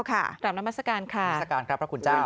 กลับน้ำมัสการค่ะพระมัสการครับพระคุณเจ้า